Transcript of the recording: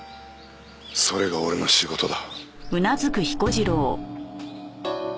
それが俺の仕事だ。